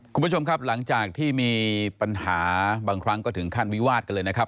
คุณผู้ชมครับหลังจากที่มีปัญหาบางครั้งก็ถึงขั้นวิวาดกันเลยนะครับ